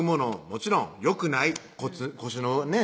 もちろんよくない腰のね